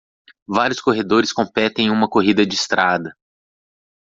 Vários corredores competem em uma corrida de estrada.